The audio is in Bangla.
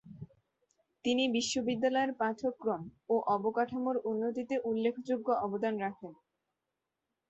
তিনি বিশ্ববিদ্যালয়ের পাঠক্রম ও অবকাঠামোর উন্নতিতে উল্লেখযোগ্য অবদান রাখেন।